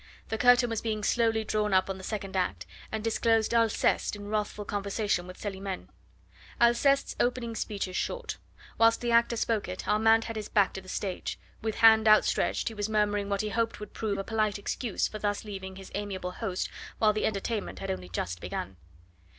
The curtain was being slowly drawn up on the second act, and disclosed Alceste in wrathful conversation with Celimene. Alceste's opening speech is short. Whilst the actor spoke it Armand had his back to the stage; with hand outstretched, he was murmuring what he hoped would prove a polite excuse for thus leaving his amiable host while the entertainment had only just begun.